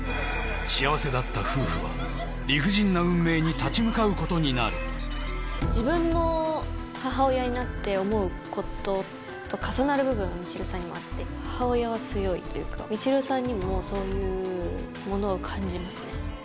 幸せだった夫婦は理不尽な運命に立ち向かうことになる自分も母親になって思うことと重なる部分が未知留さんにもあって母親は強いっていうか未知留さんにもそういうものを感じますね